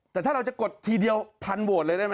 แต่ถ้าเราจะกดทีเดียวพันโหวตเลยได้ไหม